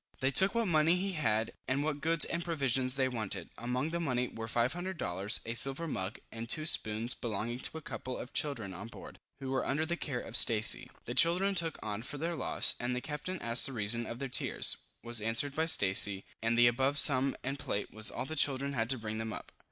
They took what money he had, and what goods and provisions they wanted. Among the money were 500 dollars, a silver mug, and two spoons belonging to a couple of children on board, who were under the care of Stacy. The children took on for their loss, and the captain asked the reason of their tears, was answered by Stacy, and the above sum and plate was all the children had to bring them up.